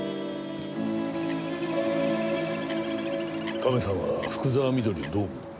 カメさんは福沢美登里をどう思う？